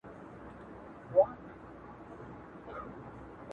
افګار بخاري